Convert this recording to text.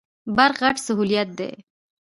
برق غټ سهولت دی.